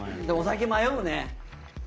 でもお酒迷うね。